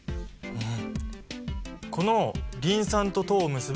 うん。